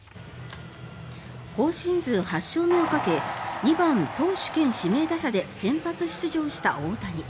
今シーズン８勝目をかけ２番投手兼指名打者で先発出場した大谷。